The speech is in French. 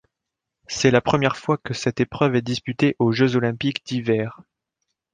C'est la première fois que cette épreuve est disputée aux Jeux olympiques d'hiver.